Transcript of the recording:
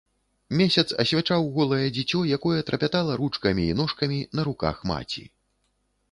Месяц асвячаў голае дзіцё, якое трапятала ручкамі і ножкамі на руках маці.